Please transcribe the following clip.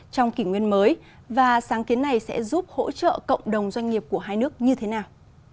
trong kỷ nguyên mới và sáng kiến này sẽ giúp hỗ trợ cộng đồng doanh nghiệp của hai nước như thế nào